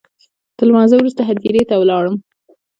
تر لمانځه وروسته هدیرې ته ولاړم.